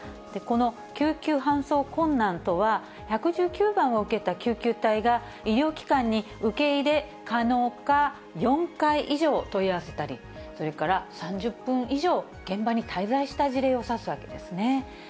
この救急搬送困難とは、１１９番を受けた救急隊が、医療機関に受け入れ可能か４回以上問い合わせたり、それから３０分以上現場に滞在した事例を指すわけですね。